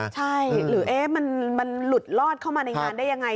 ใช่หรือมันหลุดลอดเข้ามาในงานได้ยังไง